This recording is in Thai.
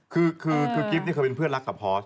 คือคือคือกริฟซ์นี่เคยเป็นเพื่อนรักกับพอร์ส